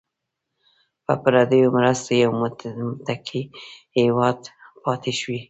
په پردیو مرستو یو متکي هیواد پاتې شوی.